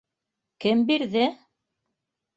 Кем бирҙе?